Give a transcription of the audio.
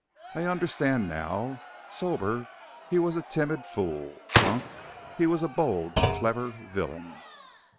I understand now. Sober, he was a timid fool; drunk, he was a bold, clever villain."